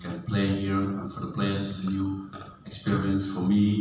dan untuk pelatih ini adalah pengalaman baru untuk saya dan kuracao